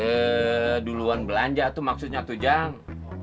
eh duluan belanja tuh maksudnya tuh jang